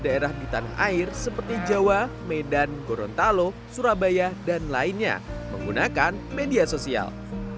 kue brownies batik dibuat sebagai daerah di tanah air seperti jawa medan gorontalo surabaya dan lainnya menggunakan media sosial